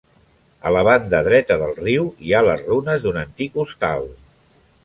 A la banda dreta del riu hi ha les runes d'un antic hostal.